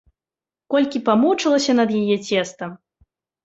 Колькі памучылася над яе цестам!